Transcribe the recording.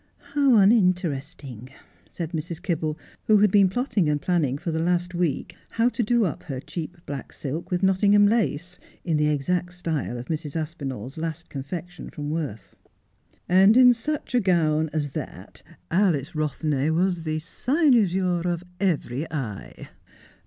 ' How uninteresting !' said Mrs. Kibble, who had been plotting and planning for the last week how to do up her cheap black silk with Nottingham lace in the exact style of Mrs. Aspinall's last confection from Worth. ' And in such a gown as that Alice Eothney was the cynosure of every eye.